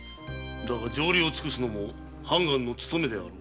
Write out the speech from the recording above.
だが情理を尽くすのも判官の勤めであろう。